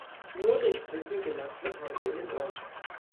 Nur durch Brücken gelangt man heute in den Ort.